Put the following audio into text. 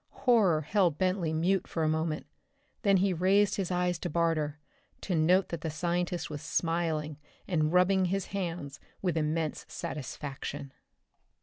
Horror held Bentley mute for a moment. Then he raised his eyes to Barter, to note that the scientist was smiling and rubbing his hands with immense satisfaction.